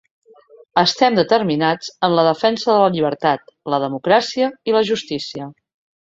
Estem determinats en la defensa de la llibertat, la democràcia i la justícia.